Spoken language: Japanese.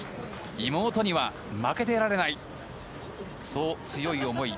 妹には負けていられないそう、強い思い。